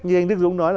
như anh đức dũng nói là